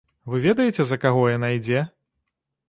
Вы ведаеце, за каго яна ідзе?